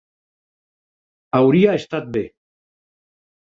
Hauria estat bé.